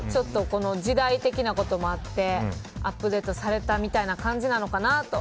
時代的なこともあってアップデートされたみたいな感じなのかなと。